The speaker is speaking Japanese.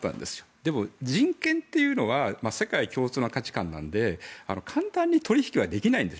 でも人権というのは世界共通の価値観なので簡単に取引はできないんです。